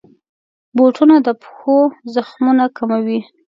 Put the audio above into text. بوټونه د پښو زخمونه کموي.